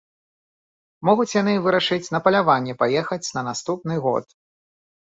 Могуць яны вырашыць на паляванне паехаць на наступны год.